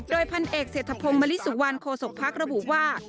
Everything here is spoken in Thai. โดยพันเอกเศรษฐพงศ์มลิสุวรรณโคศกภักดิ์ระบุว่า